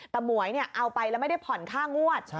แต่หมวยเอาไปแล้วไม่ได้ผ่อนค่างวด